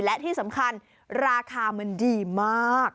และที่สำคัญราคามันดีมาก